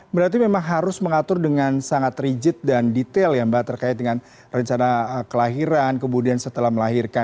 berarti memang harus mengatur dengan sangat rigid dan detail ya mbak terkait dengan rencana kelahiran kemudian setelah melahirkan